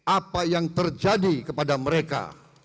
apa yang terjadi kepada mereka